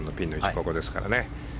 ここですからね。